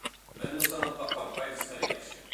مەنمۇ سىناپ باققان، پايدىسى خېلى ياخشى.